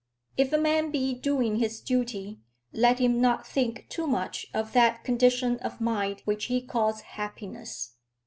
If a man be doing his duty, let him not think too much of that condition of mind which he calls happiness.